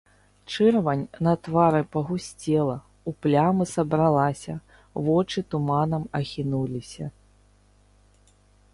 Чырвань на твары пагусцела, у плямы сабралася, вочы туманам ахінуліся.